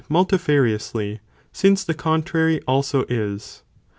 377 tifariously since the contrary also is.